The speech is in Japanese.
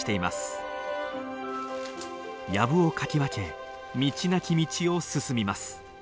やぶをかき分け道なき道を進みます。